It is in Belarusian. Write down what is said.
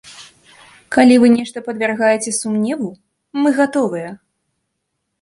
Калі вы нешта падвяргаеце сумневу, мы гатовыя.